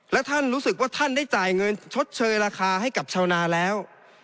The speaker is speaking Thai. และท่านรู้สึกว่าท่านได้จ่ายเงินชดเชยราคาให้กับชาวนาแล้ว